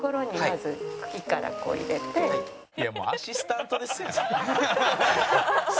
いやもうアシスタントですやん。